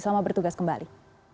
selamat bertugas kembali